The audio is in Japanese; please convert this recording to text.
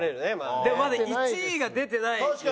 でもまだ１位が出てないですよ。